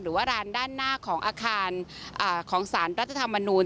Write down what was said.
หรือว่าร้านด้านหน้าของอาคารของสารรัฐธรรมนูล